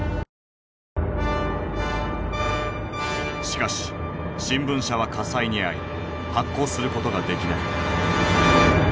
しかし新聞社は火災に遭い発行することができない。